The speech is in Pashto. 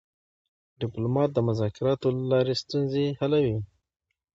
ډيپلومات د مذاکراتو له لارې ستونزې حلوي.